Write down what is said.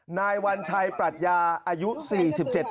นายวัญชัยปรัชญาอายุ๔๗ปี